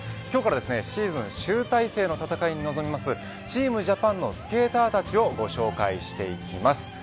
今日からシーズン集大成の戦いに臨むチームジャパンのスケーターたちをご紹介していきます。